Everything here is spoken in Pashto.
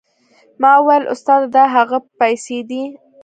ما وويل استاده دا هغه پيسې دي.